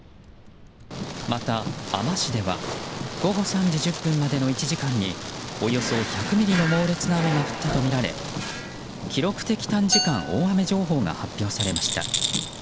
また、あま市では午後３時１０分までの１時間におよそ１００ミリの猛烈な雨が降ったとみられ記録的短時間大雨情報が発表されました。